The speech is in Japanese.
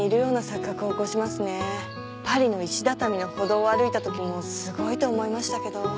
パリの石畳の舗道を歩いたときにもすごいと思いましたけど。